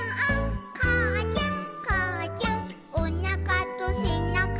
「かあちゃんかあちゃん」「おなかとせなかが」